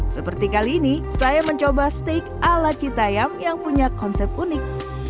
seperti kali ini saya mencoba steak ala citayam yang punya konsep unik